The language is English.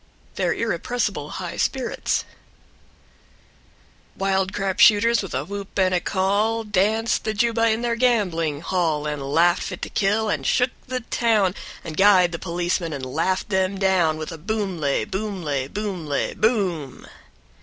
II. Their Irrepressible High Spirits # Rather shrill and high. # Wild crap shooters with a whoop and a call Danced the juba in their gambling hall And laughed fit to kill, and shook the town, And guyed the policemen and laughed them down With a boomlay, boomlay, boomlay, BOOM.